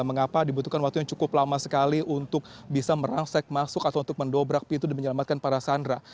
mengapa dibutuhkan waktu yang cukup lama sekali untuk bisa merangsek masuk atau untuk mendobrak pintu dan menyelamatkan para sandra